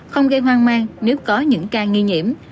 không gây hoang mang nếu có những ca nghi nhiễm